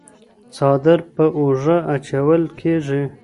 څادر په اوږه اچول کيږي.